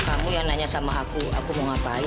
kamu ya nanya sama aku aku mau ngapain